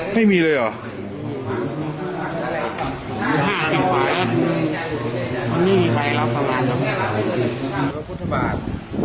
ไม่มีเลยหรอ